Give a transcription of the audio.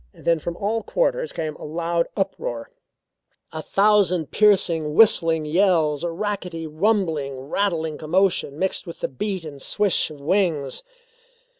Then from all quarters came a loud uproar; a thousand piercing, whistling yells; a rackety, rumbling, rattling commotion mixed with the beat and swish of wings.